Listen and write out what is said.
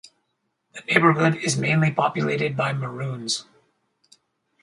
The neighbourhood is mainly populated by Maroons.